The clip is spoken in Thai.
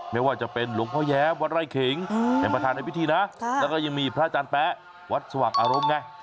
ไม่ว่าจะเป็นหลวงพระแยวัตรไล่เข็งแผ่นปฐานในพิธีนะแล้วก็ยังมีพระอาจารย์แป๊ะวัดสทวักษ์อารมณ์ง่าย